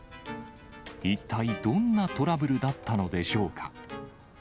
一体どんなトラブルだったのでしょうか。